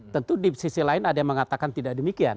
tentu di sisi lain ada yang mengatakan tidak demikian